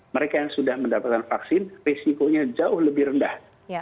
mereka yang sudah mendapatkan vaksin risikonya jauh lebih rendah